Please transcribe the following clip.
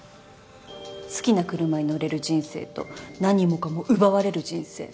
好きな車に乗れる人生と何もかも奪われる人生